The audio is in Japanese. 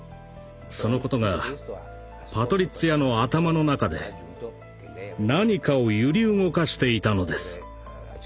そのことがパトリッツィアの頭の中で何かを揺り動かしていたのです。